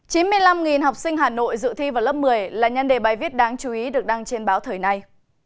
chín mươi năm học sinh hà nội dự thi vào lớp một mươi là nhân đề bài viết đáng chú ý được đăng trên báo thời nay